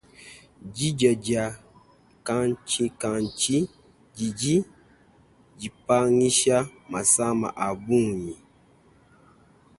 Didia dia nkatshinkatshi didi dipangisha masama a bungi.